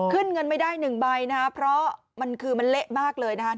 ขึ้นเงินไม่ได้๑ใบนะครับเพราะมันคือมันเละมากเลยนะฮะ